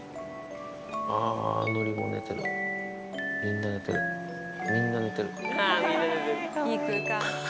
ああ、のりも寝てる、みんな寝てる、みんな寝てる。